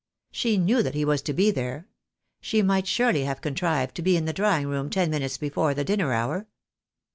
She knew that he was to be there. She might surely have contrived to be in the drawing room ten minutes before the dinner hour.